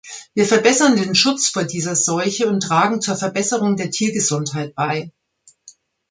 Wir verbessern den Schutz vor dieser Seuche und tragen zur Verbesserung der Tiergesundheit bei.